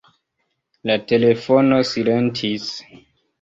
La telefono silentis.